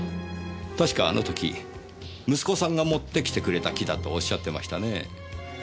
確かあの時息子さんが持ってきてくれた木だとおっしゃってましたねぇ。